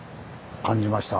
感じました。